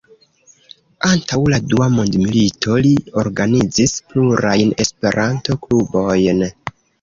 Antaŭ la dua mondmilito li organizis plurajn E-klubojn.